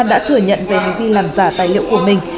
đã thừa nhận về hành vi làm giả tài liệu của mình